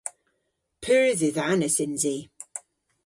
Pur dhidhanus yns i.